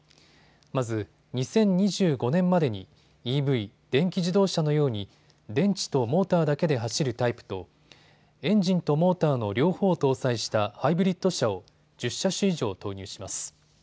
まず２０２５年までにＥＶ・電気自動車のように電池とモーターだけで走るタイプとエンジンとモーターの両方を搭載したハイブリッド車を１０車種以上、投入します。